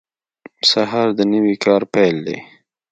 سهار د نوي کار پیل دی.